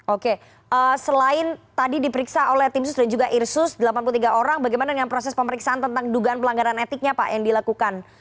oke selain tadi diperiksa oleh tim sus dan juga irsus delapan puluh tiga orang bagaimana dengan proses pemeriksaan tentang dugaan pelanggaran etiknya pak yang dilakukan